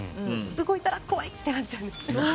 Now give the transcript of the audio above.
動いたら怖い！ってなっちゃう。